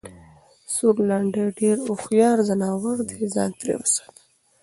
سورلنډی ډېر هوښیار ځناور دی٬ ځان ترې ساته!